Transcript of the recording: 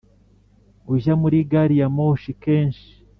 ujya muri gariyamoshi kenshi?